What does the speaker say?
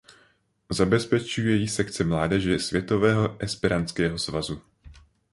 Zabezpečuje ji sekce mládeže Světového esperantského svazu.